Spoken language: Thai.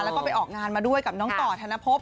แล้วก็ไปออกงานมาด้วยกับน้องต่อธนภพ